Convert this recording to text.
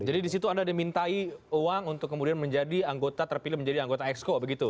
jadi di situ anda dimintai uang untuk kemudian menjadi anggota terpilih menjadi anggota exco begitu